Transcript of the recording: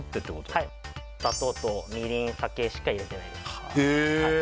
はい砂糖とみりん酒しか入れてないですへえ